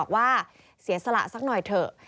ว่าเสียสละสักหน่อยเถอะ